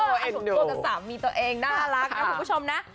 ไอ้สมตัวกับสามีตัวเองน่ารักนะคุณผู้ชมนะ